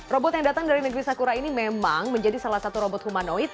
robot yang datang dari negeri sakura ini memang menjadi salah satu robot humanoid